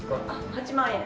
８万円。